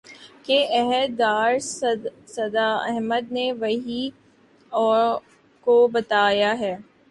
کی عہدیدار سدرا احمد نے وی او کو بتایا ہے